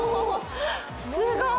・すごい！